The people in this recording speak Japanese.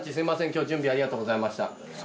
今日準備ありがとうございました。